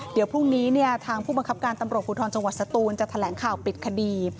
เดี๋ยวพรุ่งนี้เนี่ยทางผู้บังคับการตำรวจภูทรจังหวัดสตูนจะแถลงข่าวปิดคดี